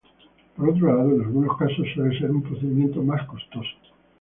Por otro lado, en algunos casos suele ser un procedimiento más costoso.